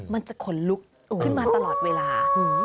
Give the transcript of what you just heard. มันจะขนลุกขึ้นมาตลอดเวลา